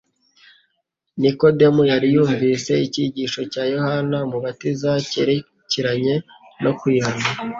Nikodemu yari yarumvise icyigisho cya Yohana Umubatiza cyerekeranye no kwihana